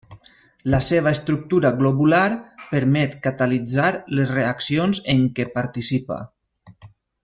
La seva estructura globular permet catalitzar les reaccions en què participa.